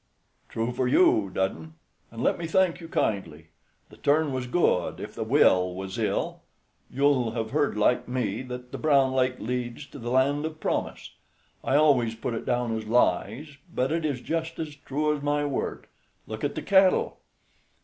"True for you, Dudden, and let me thank you kindly; the turn was good, if the will was ill. You'll have heard, like me, that the Brown Lake leads to the Land of Promise. I always put it down as lies, but it is just as true as my word. Look at the cattle."